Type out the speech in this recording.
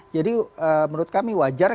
jadi menurut kami wajar